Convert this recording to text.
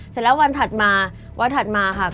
เสร็จแล้ววันถัดมาวันถัดมาค่ะ